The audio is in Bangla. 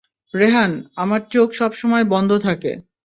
রেহান, আমার চোখ সবসময় বন্ধ থাকে।